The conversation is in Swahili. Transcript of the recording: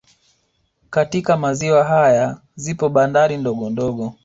Katika maziwa haya zipo bandari ndogo ndogo